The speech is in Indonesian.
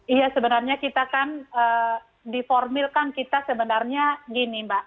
iya sebenarnya kita kan diformilkan kita sebenarnya gini mbak